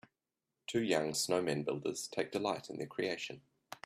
Two young Snowman builders take delight in their creation.